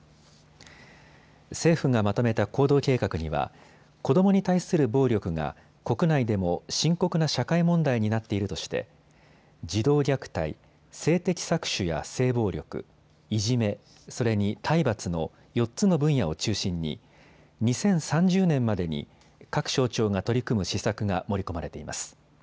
政府がまとめた行動計画には子どもに対する暴力が国内でも深刻な社会問題になっているとして児童虐待、性的搾取や性暴力、いじめ、それに体罰の４つの分野を中心に２０３０年までに各省庁が取り組む施策が盛り込まれています。